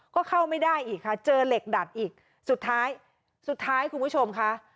ก็เข้าไม่ได้อีกค่ะเจอเหล็กดัดอีกสุดท้ายสุดท้ายคุณผู้ชมค่ะ